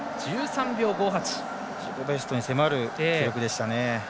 自己ベストに迫る記録でしたね。